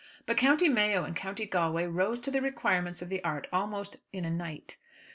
But County Mayo and County Galway rose to the requirements of the art almost in a night!